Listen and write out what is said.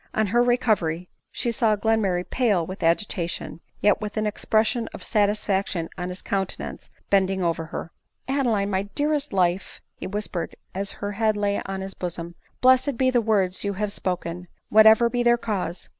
On her recovery she saw Glenmurray pale with agita tion, yet with an expression of satisfaction in his counte nance, bending over her. " Adeline ! my dearest life !" he whispered as her head lay on his bosom, " blessed be the words you have spoken, whatever be their cause !